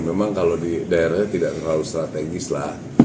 memang kalau di daerahnya tidak terlalu strategis lah